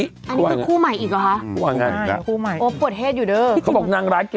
อันนี้คือคู่ใหม่อีกหรอฮะคู่อันไงคู่ใหม่โอ๊ยปวดเฮ็ดอยู่เด้อ